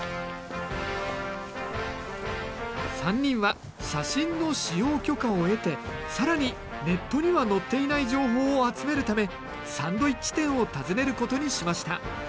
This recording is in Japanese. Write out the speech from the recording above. ３人は写真の使用許可を得て更にネットにはのっていない情報を集めるためサンドイッチ店を訪ねることにしました。